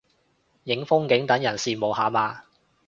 影風景等人羨慕下嘛